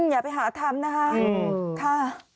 อย่าไปหาทำนะคะ